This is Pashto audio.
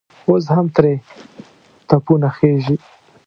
اوس هم ترې تپونه خېژي.